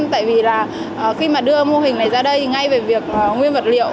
tại vì là khi mà đưa mô hình này ra đây ngay về việc nguyên vật liệu